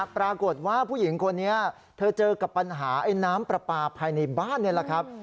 ปรากฏว่าผู้หญิงคนนี้เธอเจอกับปัญหาไอ้น้ำปลาปลาภายในบ้านนี่แหละครับ